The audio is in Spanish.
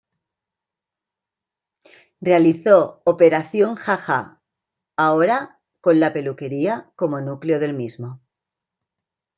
Realizó "Operación Ja Ja" ahora con "La peluquería..." como núcleo del mismo.